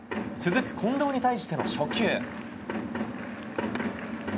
続く、近藤に対しての初球。